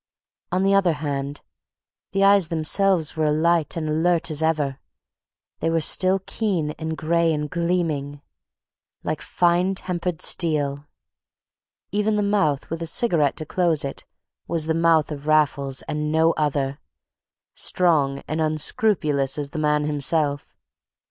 On the other hand, the eyes themselves were alight and alert as ever; they were still keen and gray and gleaming, like finely tempered steel. Even the mouth, with a cigarette to close it, was the mouth of Raffles and no other: strong and unscrupulous as the man himself.